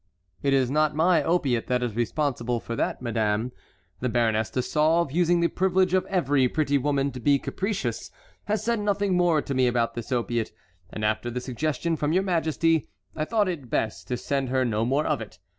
"It is not my opiate that is responsible for that, madame. The Baroness de Sauve, using the privilege of every pretty woman to be capricious, has said nothing more to me about this opiate, and after the suggestion from your majesty I thought it best to send her no more of it.